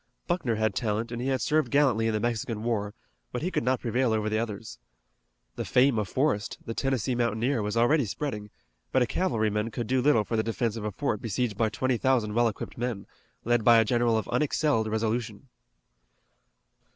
Buckner had talent and he had served gallantly in the Mexican War, but he could not prevail over the others. The fame of Forrest, the Tennessee mountaineer, was already spreading, but a cavalryman could do little for the defense of a fort besieged by twenty thousand well equipped men, led by a general of unexcelled resolution.